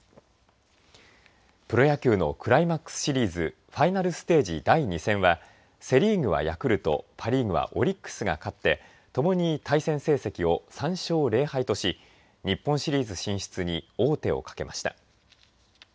プロ野球のクライマックスシリーズファイナルステージ第２戦はセ・リーグはヤクルトパ・リーグはオリックスが勝って共に対戦成績を３勝０敗とし日本シリーズ進出に王手をかけました。